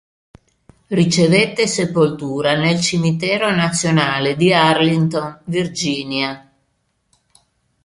Ricevette sepoltura nel Cimitero nazionale di Arlington, Virginia.